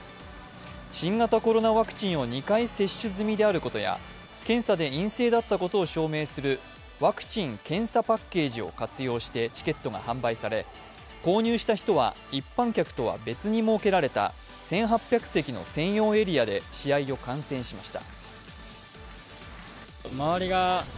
新型コロナワクチンを２回接種済みであることや検査で陰性だったことを証明するワクチン・検査パッケージを活用してチケットが発売され購入した人は一般客とは別に設けられた、１８００席の専用エリアで試合を観戦しました。